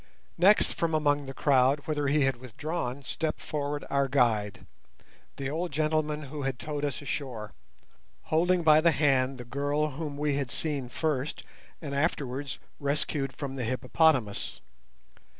Next from among the crowd whither he had withdrawn stepped forward our guide, the old gentleman who had towed us ashore, holding by the hand the girl whom we had seen first and afterwards rescued from the hippopotamus.